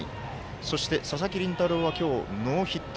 そして、佐々木麟太郎は今日、ノーヒット。